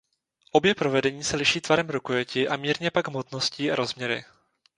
Obě provedení se liší tvarem rukojeti a mírně pak hmotností a rozměry.